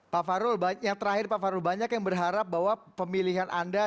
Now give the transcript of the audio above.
pak farul yang terakhir pak farul banyak yang berharap bahwa pemilihan anda